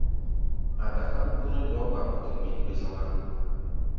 A̧ dakáʼm gbonɛ́ ɗɔɔ́ gba ɓɔtɛ́-bin-bé-zɔ́ŋá.